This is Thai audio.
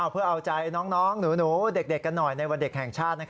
เพื่อเอาใจน้องหนูเด็กกันหน่อยในวันเด็กแห่งชาติ